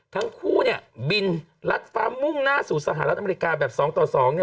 ทั้งคู่เนี่ยบินรัดฟ้ามุ่งหน้าสู่สหรัฐอเมริกาแบบสองต่อสองเนี่ย